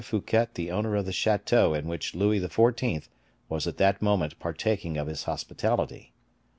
Fouquet the owner of the chateau in which Louis XIV. was at that moment partaking of his hospitality.